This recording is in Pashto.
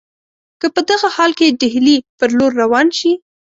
که په دغه حال کې ډهلي پر لور روان شي.